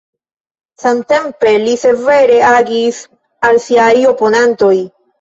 Samtempe li severe agis al siaj oponantoj.